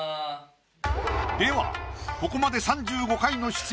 ではここまで３５回の出演。